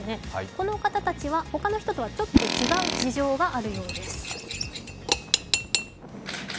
この方たちは他の人たちとはちょっと違う事情があるようです。